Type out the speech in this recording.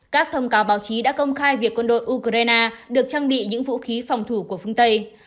các thông cáo báo chí đã công khai việc quân đội ukraine được trang bị những vũ khí phòng thủ của phương tây